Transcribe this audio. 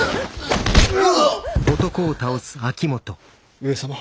上様。